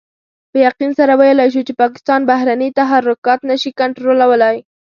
په يقين سره ويلای شو چې پاکستان بهرني تحرکات نشي کنټرولولای.